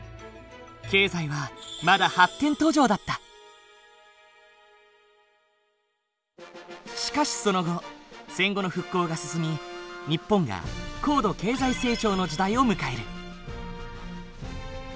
経済はまだしかしその後戦後の復興が進み日本が高度経済成長の時代を迎える。